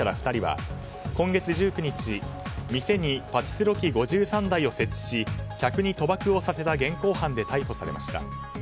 ２人は今月１９日店にパチスロ機５３台を設置し客に賭博をさせた現行犯で逮捕されました。